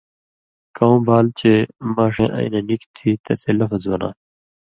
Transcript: کؤں بال چے ماݜیں اَیں نہ نِکیۡ تھی تسے لفظ بناں تھہ